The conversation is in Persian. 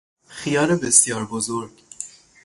خیار بسیار بزرگ